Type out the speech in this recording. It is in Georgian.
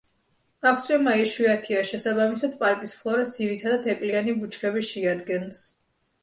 აქ წვიმა იშვიათია, შესაბამისად პარკის ფლორას ძირითადად ეკლიანი ბუჩქები შეადგენს.